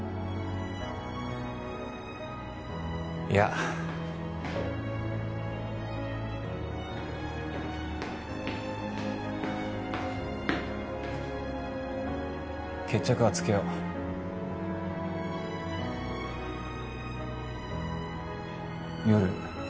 いや決着はつけよう夜